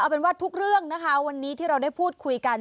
เป็นว่าทุกเรื่องนะคะวันนี้ที่เราได้พูดคุยกัน